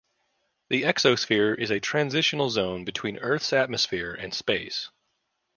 The exosphere is a transitional zone between Earth's atmosphere and space.